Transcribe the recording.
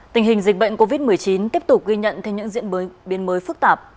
tình hình dịch bệnh covid một mươi chín tiếp tục ghi nhận thêm những diễn biến mới phức tạp